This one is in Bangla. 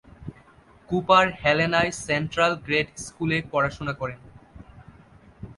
কুপার হেলেনায় সেন্ট্রাল গ্রেড স্কুলে পড়াশুনা করেন।